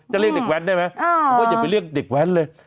จะเรียกเด็กแว้นได้ไหมเขาจะไปเรียกเด็กแว้นเลย